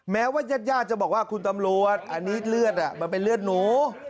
แม้ว่ายาดจะบอกว่าคุณตำรวจอันนี้เลือดมันเป็นเลือดหนู